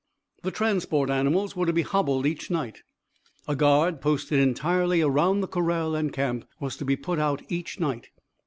The transport animals were to be hobbled each night. A guard, posted entirely around the corral and camp, was to be put out each night.